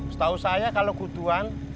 setahu saya kalau kutuan